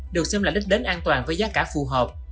được xem là đích đến an toàn với giá cả phù hợp